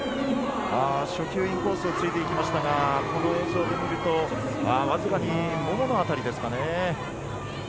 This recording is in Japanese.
初球、インコースを突いていきましたがこの映像で見るとわずかにももの辺りですかね。